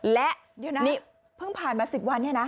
และเดี๋ยวนะนี่เพิ่งผ่านมา๑๐วันเนี่ยนะ